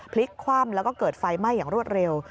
พลิกคว่ำแล้วก็เกิดไฟไหม้อย่างรวดเร็ว